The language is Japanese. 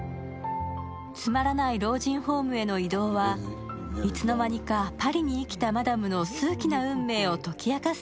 つまらない老人ホームへの移動は、いつの間にかパリに生きたマダムの数奇な運命を解き明かす